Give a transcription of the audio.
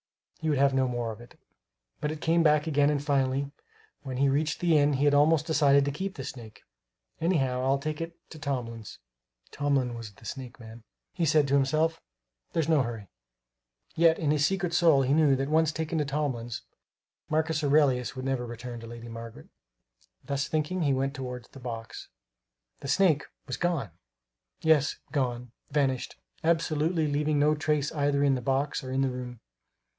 He would have no more of it. But it came back again and finally, when he reached the inn, he had almost decided to keep the snake. "Anyhow I'll take it to Tomlin's" (Tomlin was the snake man), he said to himself; "there's no hurry." Yet in his secret soul he knew that once taken to Tomlin's, Marcus Aurelius would never return to Lady Margaret. Thus thinking, he went toward the box. The snake was gone! Yes, gone, vanished absolutely, leaving no trace either in the box or in the room.